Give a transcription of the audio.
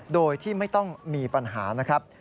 โดยที่ไม่ต้องมีปัญหานะครับ